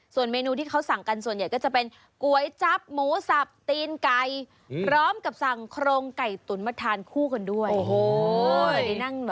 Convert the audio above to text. ส่วนเมนูที่เขาสั่งกันส่วนใหญ่ก็จะเป็นก๋วยจับหมูสับตีนไก่พร้อมกับสั่งโครงไก่ตุ๋นมาทานคู่กันด้วย